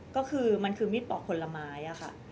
ก็คือมันคือมีดปอกผลไม้ค่ะ